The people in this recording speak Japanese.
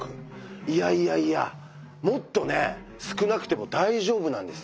いやいやいやもっとね少なくても大丈夫なんです。